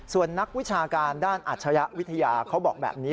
ส่วนนักวิชาการด้านอัจฉริยะวิทยาเขาบอกแบบนี้